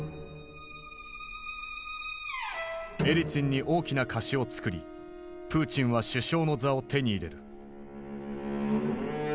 エリツィンに大きな貸しをつくりプーチンは首相の座を手に入れる。